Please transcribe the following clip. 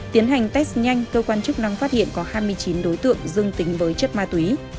tiến hành test nhanh cơ quan chức năng phát hiện có hai mươi chín đối tượng dương tính với chất ma túy